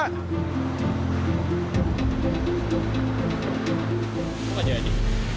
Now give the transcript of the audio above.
kok gak jadi